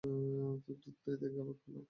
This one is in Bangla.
তোর দুধ নেই দেখে অবাক হলাম।